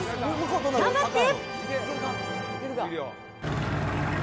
頑張って。